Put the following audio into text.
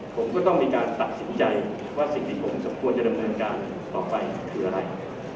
ผมก็ต้องมีการตัดสินใจว่าสิ่งที่ผมสมควรจะดำเนินการต่อไปคืออะไร